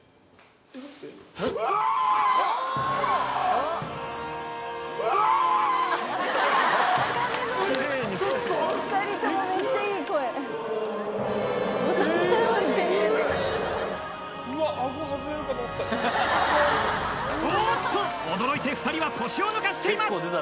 おっと驚いて２人は腰を抜かしています